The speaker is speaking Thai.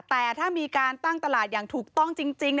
แต่ถ้ามีการตั้งตลาดอย่างถูกต้องจริง